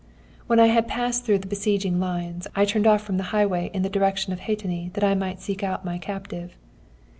"When I had passed through the besieging lines, I turned off from the highway in the direction of Hetény, that I might seek out my captive.